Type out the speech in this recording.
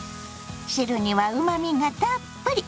汁にはうまみがたっぷり。